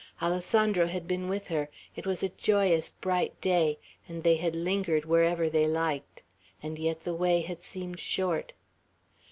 Alessandro had been with her; it was a joyous, bright day, and they had lingered wherever they liked, and yet the way had seemed short.